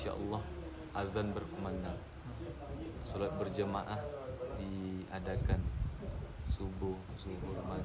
selalu penuh nggak lihat tadi ya